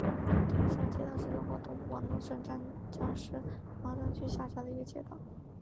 东山街道是中国广东省湛江市麻章区下辖的一个街道。